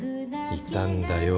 いたんだよ